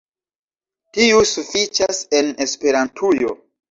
Tiu sufiĉas en Esperantujo